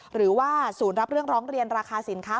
หรือว่าศูนย์รับเรื่องร้องเรียนราคาสินค้า